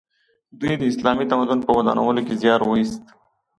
دوی د اسلامي تمدن په ودانولو کې زیار وایست.